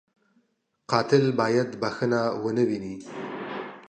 قاتل باید بښنه و نهويني